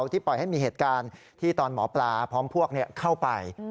ที่ปล่อยให้มีเหตุการณ์ที่ตอนหมอปลาพร้อมพวกเข้าไป